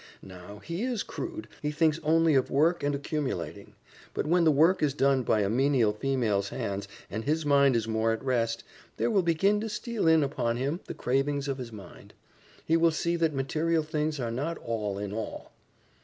Now, he is crude, he thinks only of work and accumulating; but when the work is done by a menial female's hands and his mind is more at rest, there will begin to steal in upon him the cravings of his mind. He will see that material things are not all in all."